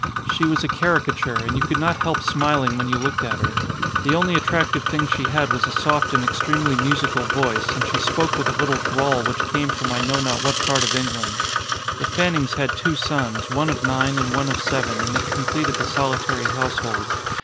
She was a caricature, and you could not help smiling when you looked at her. The only attractive thing she had was a soft and extremely musical voice and she spoke with a little drawl which came from I know not what part of England. The Fannings had two sons, one of nine and one of seven, and they completed the solitary household.